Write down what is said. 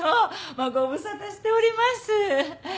ご無沙汰しております。